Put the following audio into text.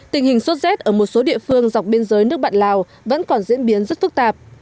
tình hình sốt rét ở một số địa phương dọc biên giới nước bạn lào vẫn còn diễn biến rất phức tạp